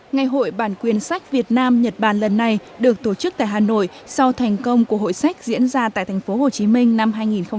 ngày hội bản quyền sách việt nam nhật bản lần này được tổ chức tại hà nội sau thành công của hội sách diễn ra tại tp hcm năm hai nghìn một mươi tám